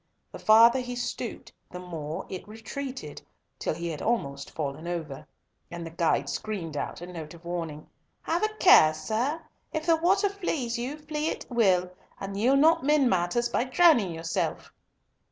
The farther he stooped, the more it retreated, till he had almost fallen over, and the guide screamed out a note of warning, "Have a care, sir! If the water flees you, flee it will, and ye'll not mend matters by drowning yourself."